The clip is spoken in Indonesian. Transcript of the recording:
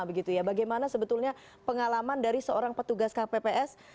bagaimana sebetulnya pengalaman dari seorang petugas kpps